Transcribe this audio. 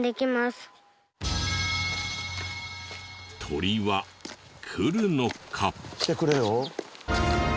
鳥は来るのか。